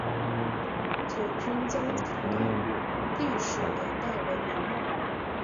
九军将军府的历史年代为明末。